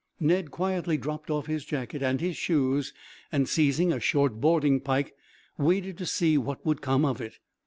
Ned quietly dropped off his jacket and his shoes and, seizing a short boarding pike, waited to see what would come of it.